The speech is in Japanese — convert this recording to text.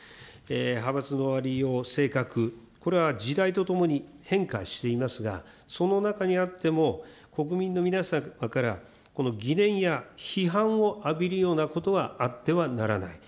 派閥のありよう、性格、これは時代とともに変化していますが、その中にあっても国民の皆様からこの疑念や批判を浴びるようなことはあってはならない。